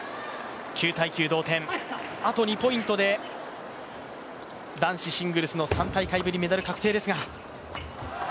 あと２ポイントで男子シングルスの３大会ぶりメダル確定ですが。